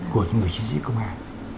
của những người chính sĩ công an